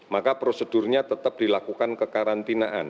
maka prosedurnya tetap dilakukan kekarantinaan